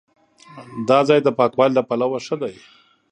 دا ځای د پاکوالي له پلوه ښه دی.